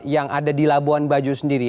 yang ada di labuan bajo sendiri